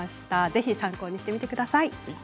ぜひ参考にしてみてください。